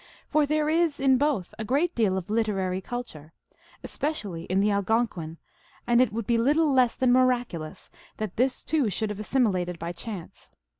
For there is in both a great deal of " literary " culture, especially in the Algonquin, and it would be little less than miraculous tliat this too should have assimilated by chance.